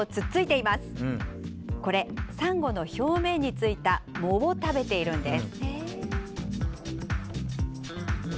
これサンゴの表面についた藻を食べているんです。